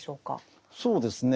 そうですね